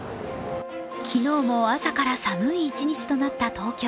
昨日も朝から寒い１日となった東京。